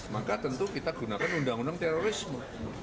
maka tentu kita gunakan undang undang terorisme